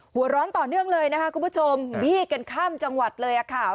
หัวร้อนต่อเนื่องเลยนะคะคุณผู้ชมบี้กันข้ามจังหวัดเลยค่ะ